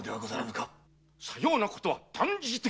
さようなことは断じて。